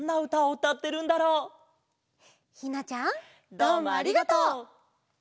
どうもありがとう！